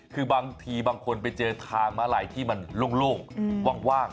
คือบางทีบางคนไปเจอทางม้าลายที่มันโล่งว่าง